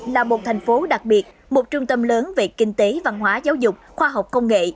là một thành phố đặc biệt một trung tâm lớn về kinh tế văn hóa giáo dục khoa học công nghệ